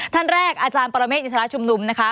ท่านแรกอาจารย์ปรเมฆอินทรชุมนุมนะคะ